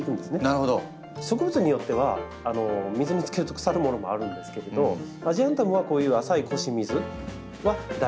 植物によっては水につけると腐るものもあるんですけれどアジアンタムはこういう浅い腰水は大丈夫です。